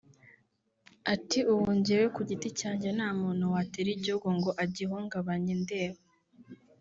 Ati”Ubu jyewe ku giti cyanjye nta muntu watera igihugu ngo agihungabanye ndeba